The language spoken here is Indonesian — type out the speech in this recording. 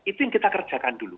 itu yang kita kerjakan dulu